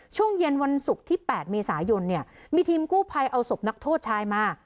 ช่วงเย็นวันศุกร์ที่๘เมษายนเนี่ยมีทีมกู้ภัยเอาศพนักโทษชายมา